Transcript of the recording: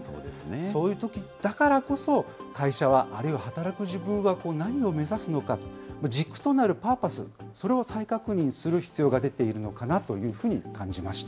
そういうときだからこそ、会社は、あるいは働く自分は何を目指すのか、軸となるパーパス、それを再確認する必要が出ているのかなというふうに感じました。